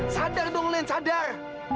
sadar dong len sadar